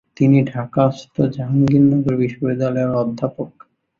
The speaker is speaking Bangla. তিনি ঢাকাস্থ জাহাঙ্গীরনগর বিশ্ববিদ্যালয়ের অধ্যাপক।